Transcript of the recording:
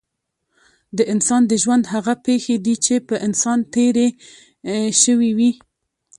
د انسان د ژوند هغه پېښې دي چې په انسان تېرې شوې وي.